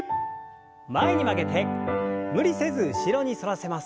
前に曲げて無理せず後ろに反らせます。